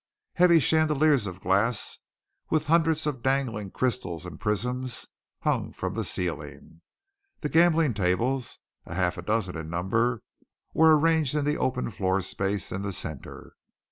Heavy chandeliers of glass, with hundreds of dangling crystals and prisms, hung from the ceiling. The gambling tables, a half dozen in number, were arranged in the open floor space in the centre.